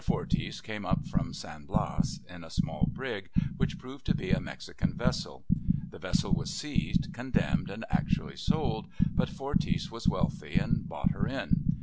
Forties came up from San Blas in a small brig, which proved to be a Mexican vessel; the vessel was seized, condemned, and actually sold, but Forties was wealthy, and bought her in.